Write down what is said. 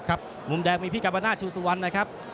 ครับมุมแดงมีพี่กับกำลังหน้าชูสวันนะครับ